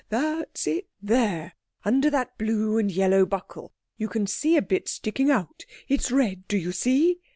That's it! There, under that blue and yellow buckle, you can see a bit sticking out. It's red. Do you see?"